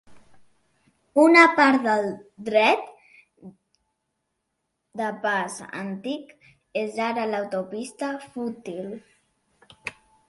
Una part del "dret de pas" antic és ara l'autopista Foothill.